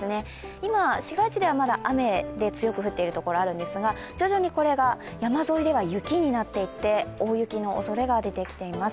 今、市街地ではまだ雨が強く降っているところがあるんですが徐々に山沿いでは雪になっていって大雪のおそれが出てきています。